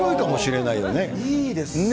いいですね。